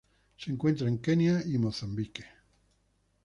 Se encuentra en Kenia y Mozambique.